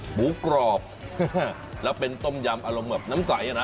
หมูกรอบแล้วเป็นต้มยำอารมณ์แบบน้ำใสอ่ะนะ